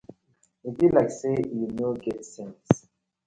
E bi layk say uno no get sence.